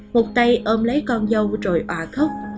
một tay ôm lấy con dâu rồi ọa khóc